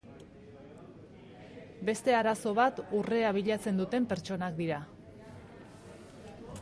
Beste arazo bat urrea bilatzen duten pertsonak dira.